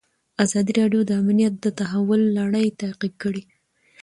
ازادي راډیو د امنیت د تحول لړۍ تعقیب کړې.